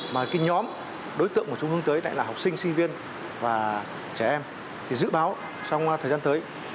mà cái nhóm đối tượng mà chúng hướng tới lại là học sinh sinh viên và trẻ em thì dự báo trong thời gian tới